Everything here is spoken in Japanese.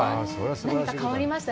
何か変わりました？